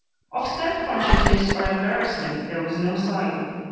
Of self consciousness or embarrassment there was no sign.